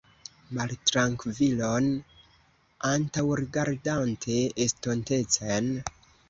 Maltrankvilon, antaŭrigardante estontecen?